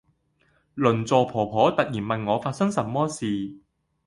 鄰座婆婆突然問我發生什麼事